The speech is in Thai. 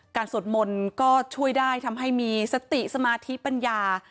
สวดมนต์ก็ช่วยได้ทำให้มีสติสมาธิปัญญา